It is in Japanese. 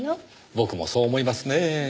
僕もそう思いますねぇ。